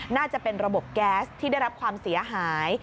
น่าจะเป็นระบบแก๊สที่ได้รับความเสียหาย